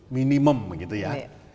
minimum gitu ya